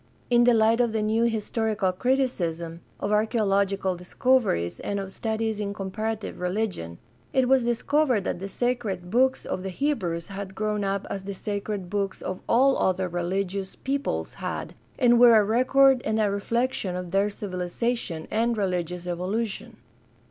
In the light of the new historical criti cism, of archaeological discoveries, and of studies in com parative religion, it was discovered that the sacred books of the Hebrews had grown up as the sacred books of all other reHgious peoples had, and were a record and a reflection of their civilization and religious evolution.